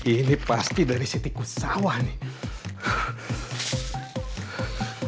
ini pasti dari si tikus sawah nih